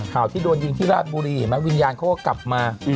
ข่าวที่โดนยิงที่ราชบุรีวิญญาณเขาก็กลับมา